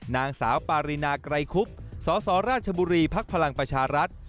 นางสาวปารินาไกรคุบสรชบพประชารัฐ